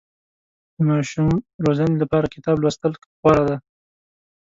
د ماشوم روزنې لپاره کتاب لوستل غوره دي.